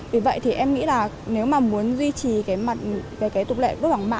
vì vậy thì em nghĩ là nếu mà muốn duy trì cái mặt về cái tục lệ đốt vàng mã